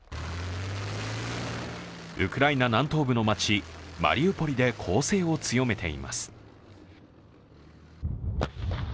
ウクライナ南東部の街マリウポリで攻勢を強めています。